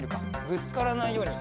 ぶつからないように。